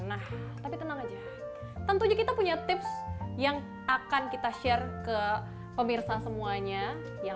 nah tapi tenang aja tentunya kita punya tips yang akan kita share ke pemirsa semuanya yang